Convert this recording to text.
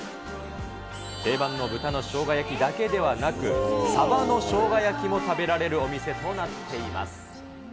定番の豚の生姜焼きだけではなく、鯖の生姜焼きも食べられるお店となっています。